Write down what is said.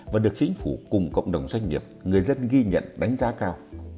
và được chính phủ cùng cộng đồng doanh nghiệp người dân ghi nhận đánh giá cao